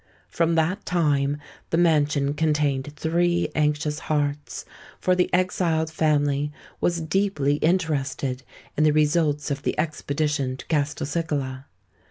From that time the mansion contained three anxious hearts; for the exiled family was deeply interested in the results of the expedition to Castelcicala.